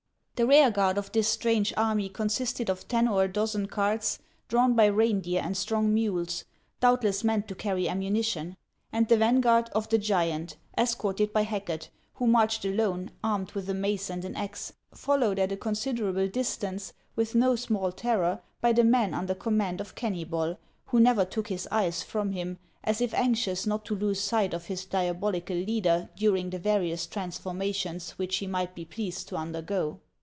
The rear guard of this strange army consisted of ten or a dozen carts drawn by reindeer and strong mules, doubt less meant to carry ammunition ; and the vanguard, of the giant, escorted by Hacket, who marched alone, armed with a mace and an axe, followed at a considerable dis tance, with no small terror, by the men under command of Kennybol, who never took his eyes from him, as if anxious not to lose sight of his diabolical leader during the various transformations which he might be pleased to undergo.